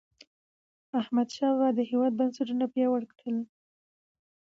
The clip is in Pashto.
احمدشاه بابا د هیواد بنسټونه پیاوړي کړل.